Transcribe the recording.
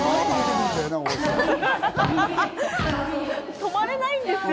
止まれないんですよ。